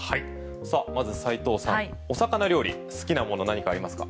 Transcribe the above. まず、斎藤さん、お魚料理好きなもの何かありますか。